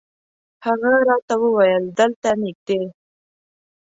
هغه راته وویل دلته نږدې.